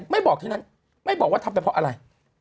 ไม่บอกที่นั้นไม่บอกว่าทำไปเพราะอะไร